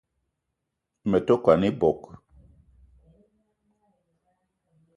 Me te kwan ebog